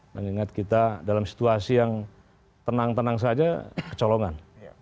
mengingat kita dalam situasi yang tenang tenang saja kecolongan